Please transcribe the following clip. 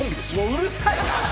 うるさいな。